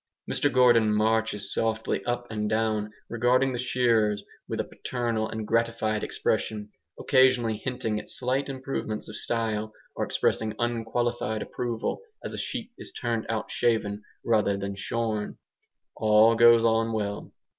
Mr Gordon marches softly up and down, regarding the shearers with a paternal and gratified expression, occasionally hinting at slight improvements of style, or expressing unqualified approval as a sheep is turned out shaven rather than shorn. All goes on well.